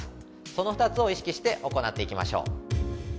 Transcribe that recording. その２つを意識して行っていきましょう。